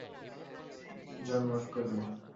জন, মাফ করবে।